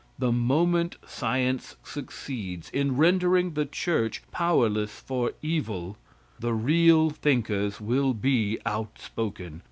The moment science succeeds in rendering the church powerless for evil, the real thinkers will be outspoken.